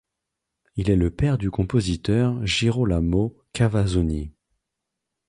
Il est le père du compositeur Girolamo Cavazzoni.